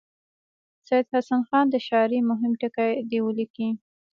سید حسن خان د شاعرۍ مهم ټکي دې ولیکي.